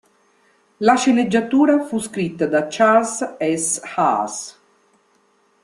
La sceneggiatura fu scritta da Charles S. Haas.